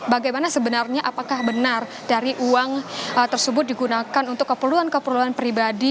bagaimana sebenarnya apakah benar dari uang tersebut digunakan untuk keperluan keperluan pribadi